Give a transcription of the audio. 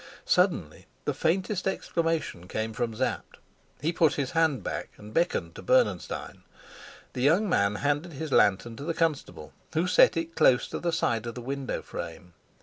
Suddenly the faintest exclamation came from Sapt. He put his hand back and beckoned to Bernenstein. The young man handed his lantern to the constable, who set it close to the side of the window frame.